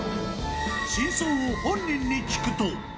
真相を本人に聞くと。